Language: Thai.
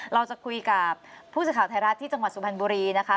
เราจะคุยกับผู้สื่อข่าวไทยรัฐที่จังหวัดสุพรรณบุรีนะคะ